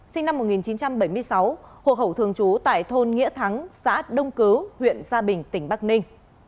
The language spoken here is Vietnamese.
sinh năm một nghìn chín trăm bảy mươi sáu hộ khẩu thường trú tại thôn nghĩa thắng xã đông cứu huyện sa bình tp hcm